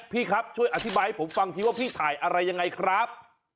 พี่ครับช่วยอธิบายให้ผมฟังทีว่าพี่ถ่ายอะไรยังไงครับ